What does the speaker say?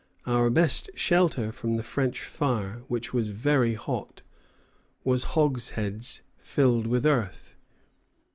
Our best shelter from the French fire, which was very hot, was hogsheads filled with earth."